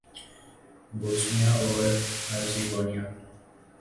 Bosnia اور Herzegovina